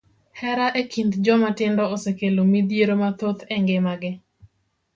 Hera e kind joma tindo osekelo midhiero mathoth e ngima gi.